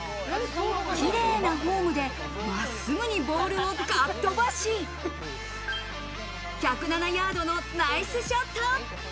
綺麗なフォームで真っすぐにボールを、かっ飛ばし、１０７ヤードのナイスショット。